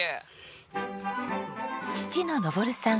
父の昇さん